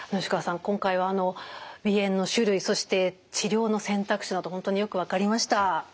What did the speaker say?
今回は鼻炎の種類そして治療の選択肢など本当によく分かりました。